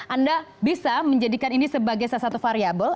anda bisa menjadikan ini sebagai salah satu variable